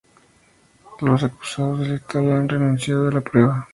Los acusados del Estado han renunciado a la prueba.